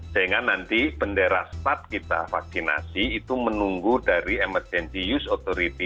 sehingga nanti bendera start kita vaksinasi itu menunggu dari emergency use authority